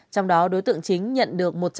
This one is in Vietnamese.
trong đó đối tượng chính nhận được